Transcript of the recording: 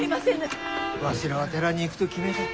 わしらは寺に行くと決めてる。